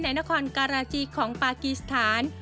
นครการาจีของปากีสถาน